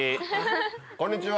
こんにちは。